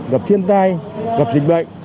gặp thiên tai gặp dịch bệnh